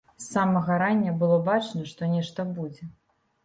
З самага рання было бачна, што нешта будзе.